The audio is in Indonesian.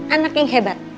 anak yang hebat